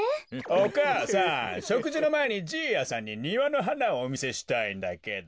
お母さんしょくじのまえにじいやさんににわのはなをおみせしたいんだけど。